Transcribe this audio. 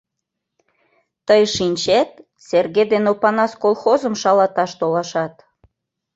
Тый шинчет, Серге ден Опанас колхозым шалаташ толашат.